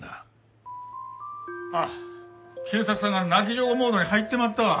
ああ賢作さんが泣き上戸モードに入ってまったわ。